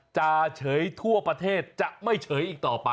จ่าเฉยทั่วประเทศจะไม่เฉยอีกต่อไป